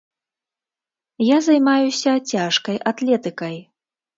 Я займаюся цяжкай атлетыкай.